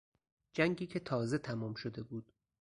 جنگی که تازه تمام شده بود